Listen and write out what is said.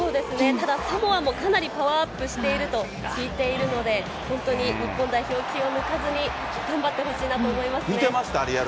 ただ、サモアもかなりパワーアップしていると聞いているので、本当に日本代表、気を抜かずに頑張ってほしいなと思いますね。